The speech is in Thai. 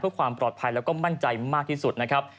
เพื่อความปลอดภัยแล้วก็มั่นใจมากที่สุดนะครับ